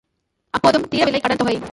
அப்போதும் தீரவில்லை கடன் தொகை.